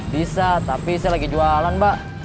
bisa butuh coba ngajakin kok